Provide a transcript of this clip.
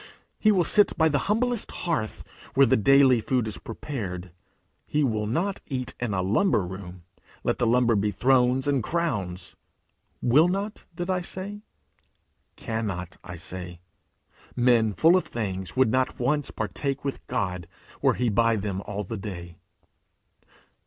He will sit by the humblest hearth where the daily food is prepared; he will not eat in a lumber room, let the lumber be thrones and crowns. Will not, did I say? Cannot, I say. Men full of things would not once partake with God, were he by them all the day.